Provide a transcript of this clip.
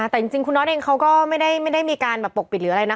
แต่จริงคุณน็อตเองเขาก็ไม่ได้มีการแบบปกปิดหรืออะไรนะ